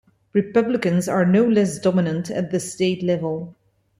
Republicans are no less dominant at the state level.